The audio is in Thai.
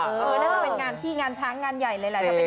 เออนั่นก็เป็นงานพี่งานช้างงานใหญ่เลยแหละ